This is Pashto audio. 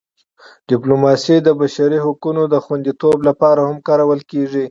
ډیپلوماسي د بشري حقونو د خوندیتوب لپاره هم کارول کېږي.